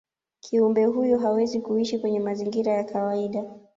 kiumbe huyo hawezi kuishi kwenye mazingira ya kawaida